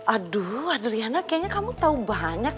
aduh adeliana kayaknya kamu tau banyak